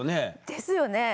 ですよね。